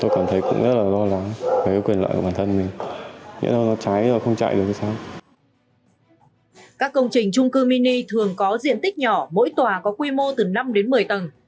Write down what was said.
các công trình trung cư mini thường có diện tích nhỏ mỗi tòa có quy mô từ năm đến một mươi tầng